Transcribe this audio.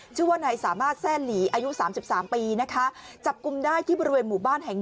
ชื่อว่านายสามารถแซ่หลีอายุสามสิบสามปีนะคะจับกลุ่มได้ที่บริเวณหมู่บ้านแห่ง๑